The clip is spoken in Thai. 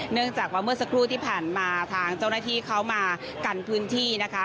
เนื่องจากว่าเมื่อสักครู่ที่ผ่านมาทางเจ้าหน้าที่เขามากันพื้นที่นะคะ